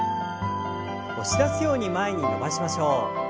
押し出すように前に伸ばしましょう。